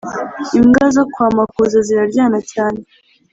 Imbwa zokwamakuz ziraryana cyane